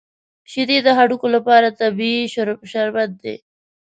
شیدې د هډوکو لپاره طبیعي شربت دی